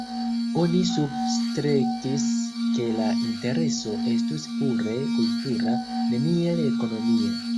Oni substrekis ke la intereso estus pure kultura, neniel ekonomia.